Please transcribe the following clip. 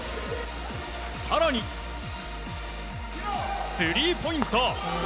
更に、スリーポイント。